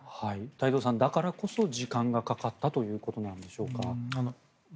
太蔵さん、だからこそ時間がかかったということなんでしょうか。